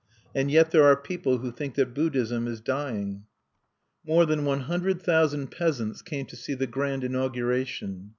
And yet there are people who think that Buddhism is dying! More than one hundred thousand peasants came to see the grand inauguration.